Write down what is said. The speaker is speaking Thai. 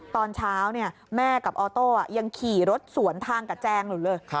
ตอนเช้าแม่กับออโต้ยังขี่รถสวนทางกับแจงอยู่เลย